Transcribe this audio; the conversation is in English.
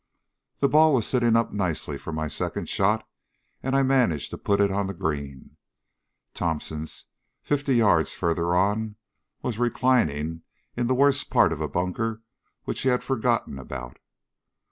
The ball was sitting up nicely for my second shot, and I managed to put it on the green. Thomson's, fifty yards farther on, was reclining in the worst part of a bunker which he had forgotten about.